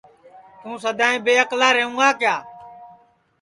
توں سدائیں بے اکلا رہوں گا کیا